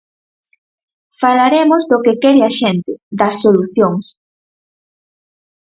Falaremos do que quere a xente, das solucións.